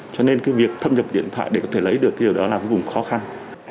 cho nên cái việc thâm nhập điện thoại để có thể lấy được cái điều đó là vô cùng khó khăn